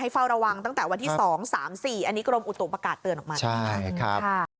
เฝ้าระวังตั้งแต่วันที่๒๓๔อันนี้กรมอุตุประกาศเตือนออกมา